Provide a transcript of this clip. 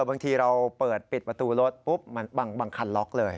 บางทีเราเปิดปิดประตูรถปุ๊บมันบางคันล็อกเลย